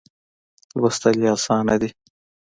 لوستل یې آسانه دي.